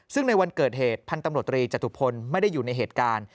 ซึ่งในวันเกิดเหตุพตรจทุพลไม่ได้อยู่ในเหตุการณ์